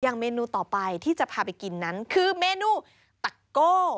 เมนูต่อไปที่จะพาไปกินนั้นคือเมนูตะโก้